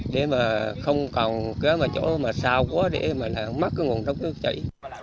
để mà không còn cái chỗ mà sao quá để mà mất cái nguồn đông nước chảy